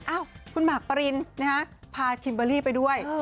อ้าวคุณหมากปรินนะฮะพาคิมเบอร์รี่ไปด้วย